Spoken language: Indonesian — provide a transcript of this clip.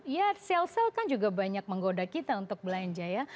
ya sel sel kan juga banyak menggoda kita untuk belanja ya